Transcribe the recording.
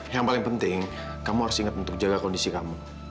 yang paling penting kamu harus ingat untuk jaga kondisi kamu